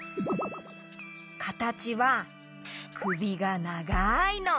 かたちはくびがながいの。